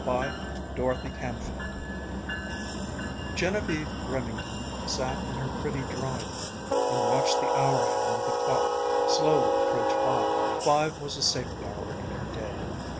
BY DOROTHY CANFIELD Genevieve Remington sat in her pretty drawing room and watched the hour hand of the clock slowly approach five. Five was a sacred hour in her day.